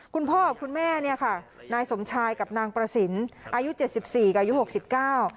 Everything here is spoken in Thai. คุณพ่อกับคุณแม่เนี่ยค่ะนายสมชายกับนางประสินอายุเจ็ดสิบสี่กับอายุหกสิบเก้า